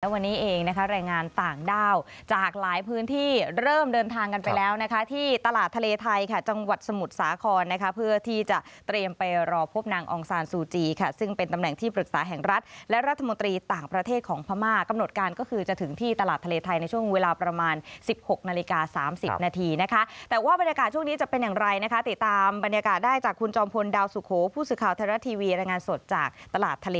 วันนี้เองนะคะรายงานต่างด้าวจากหลายพื้นที่เริ่มเดินทางกันไปแล้วนะคะที่ตลาดทะเลไทยค่ะจังหวัดสมุทรสาครนะคะเพื่อที่จะเตรียมไปรอพบนางอองซานซูจีค่ะซึ่งเป็นตำแหน่งที่ปรึกษาแห่งรัฐและรัฐมนตรีต่างประเทศของพม่ากำหนดการก็คือจะถึงที่ตลาดทะเลไทยในช่วงเวลาประมาณสิบหกนาฬิกาสามสิบนาท